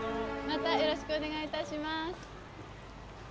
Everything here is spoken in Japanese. またよろしくお願いします。